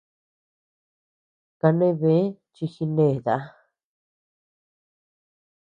Kane bë chi jineta.